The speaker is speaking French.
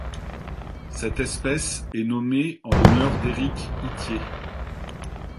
Cette espèce est nommée en l'honneur d'Éric Ythier.